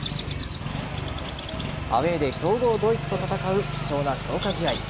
アウェーで強豪ドイツと戦う貴重な強化試合。